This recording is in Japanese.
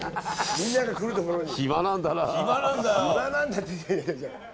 みんなが来るところに。